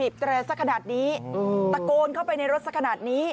แตรสักขนาดนี้ตะโกนเข้าไปในรถสักขนาดนี้